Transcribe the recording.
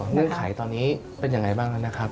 อ๋อเงื่อนไขตอนนี้เป็นอย่างไรบ้างนะครับ